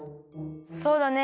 そうだね